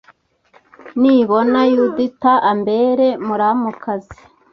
Nibona Yudita ambera muramukazi...